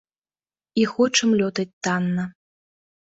І хочам лётаць танна.